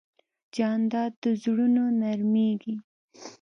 جانداد د زړونو نرمیږي.